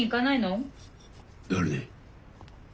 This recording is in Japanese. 誰に。